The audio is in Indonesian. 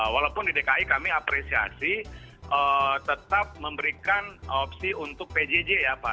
walaupun di dki kami apresiasi tetap memberikan opsi untuk pjj ya pak